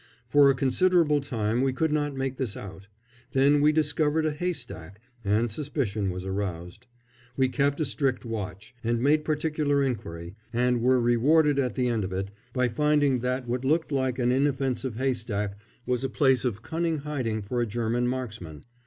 For a considerable time we could not make this out; then we discovered a haystack, and suspicion was aroused. We kept a strict watch, and made particular inquiry, and were rewarded at the end of it, by finding that what looked like an inoffensive haystack was a place of cunning hiding for a German marksman.